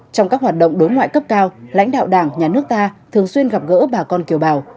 trong các hoạt động đối ngoại cấp cao lãnh đạo đảng nhà nước ta thường xuyên gặp gỡ bà con kiều bào